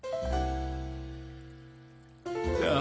あ。